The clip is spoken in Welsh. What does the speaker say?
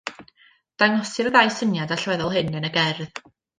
Dangosir y ddau syniad allweddol hyn yn y gerdd.